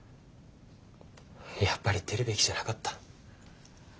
やっぱり出るべきじゃなかった。